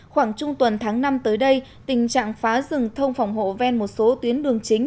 khoảng trung tuần tháng năm tới đây tình trạng phá rừng thông phòng hộ ven một số tuyến đường chính